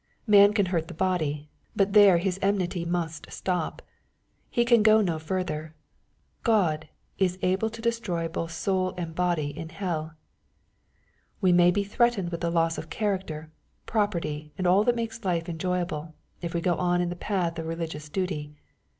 Man can hurt the body, but there his enmity must stop. He can go no ftirther. God "is able to destroy both soul and body in hell." We may be threatened with the loss of character, property, and all that makes life enjoyable, if we go on in the path of re ligious duty.